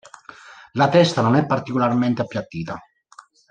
La testa non è particolarmente appiattita.